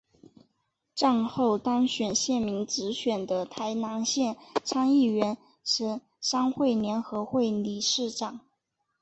战后当选县民直选的台南县参议员省商会联合会理事长。